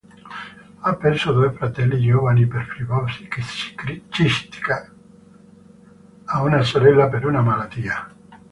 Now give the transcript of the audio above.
Ha perso due fratelli giovani per fibrosi cistica e una sorella per una malattia.